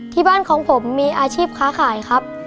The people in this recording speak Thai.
ที่บ้านของผมมีอาชีพค้าขายครับ